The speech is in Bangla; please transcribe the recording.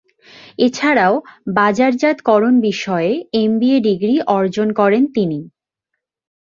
এছাড়াও, বাজারজাতকরণ বিষয়ে এমবিএ ডিগ্রী অর্জন করেন তিনি।